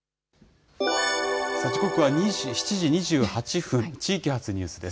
時刻は７時２８分、地域発ニュースです。